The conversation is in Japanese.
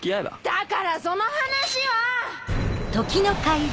だからその話は！